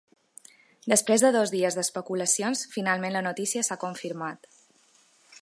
Després de dos dies d’especulacions, finalment la notícia s’ha confirmat.